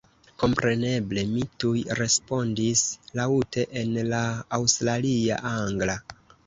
Kompreneble mi tuj respondis laŭte en la aŭstralia angla.